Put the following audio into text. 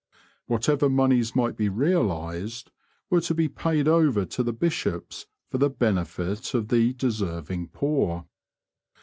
Whatever moneys might be realised were to be paid over to the bishops for the benefit of the deserving poor.